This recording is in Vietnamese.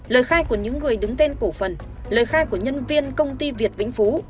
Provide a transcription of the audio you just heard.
lời khai của những người đứng tên cổ phần lời khai của nhân viên công ty việt vĩnh phú